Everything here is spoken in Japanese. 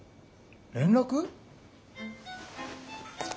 連絡？